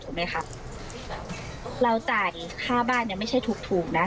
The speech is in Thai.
ถูกไหมคะเราจ่ายค่าบ้านเนี่ยไม่ใช่ถูกถูกนะ